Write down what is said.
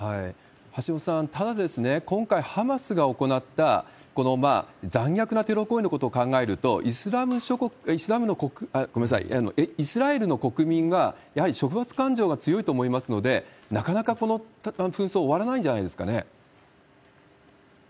橋本さん、ただ、今回、ハマスが行った、この残虐なテロ行為のことを考えると、イスラエルの国民は、やはり処罰感情が強いと思いますので、なかなかこの紛争、終わらないんじゃないですかね。